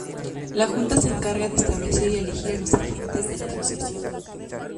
La junta se encarga de establecer y elegir a los agentes de la asociación.